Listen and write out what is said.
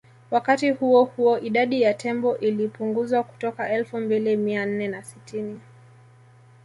Wakati huo huo idadi ya tembo ilipunguzwa kutoka Elfu mbili mia nne na sitini